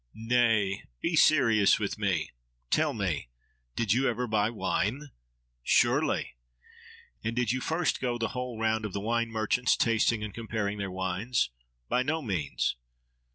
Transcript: —Nay! be serious with me. Tell me; did you ever buy wine? —Surely. —And did you first go the whole round of the wine merchants, tasting and comparing their wines? —By no means.